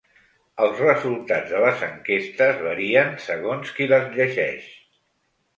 Els resultats de les enquestes varien segons qui les llegeix.